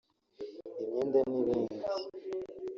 imyenda n’ibindi